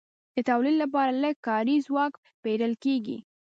د تولید لپاره لږ کاري ځواک پېرل کېږي